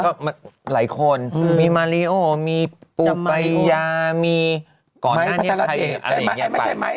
ก็มันหลายคนมีมีมีก่อนหน้านี้อะไรอย่างเงี้ยไม่ใช่ไม้